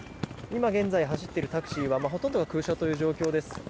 今現在走っているタクシーはほとんどが空車という状況です。